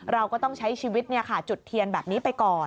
เราก็ต้องใช้ชีวิตจุดเทียนแบบนี้ไปก่อน